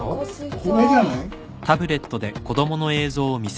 これじゃない？